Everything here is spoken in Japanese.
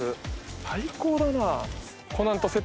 最高だな。